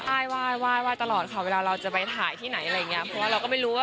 อ้ายว่ายว่ายว่ายตลอดค่ะเวลาเราจะไปถ่ายที่ไหนอะไรอย่างนี้